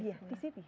iya di sini